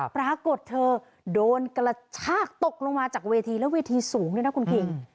ปรากฏเธอโดนกระชากตกลงมาจากเวทีแล้วเวทีสูงด้วยนะคุณคิง